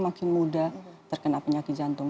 makin muda terkena penyakit jantung